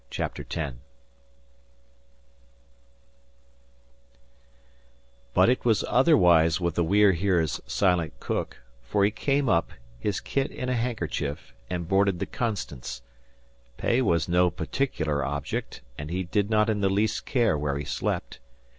CHAPTER X But it was otherwise with the We're Here's silent cook, for he came up, his kit in a handkerchief, and boarded the "Constance." Pay was no particular object, and he did not in the least care where he slept.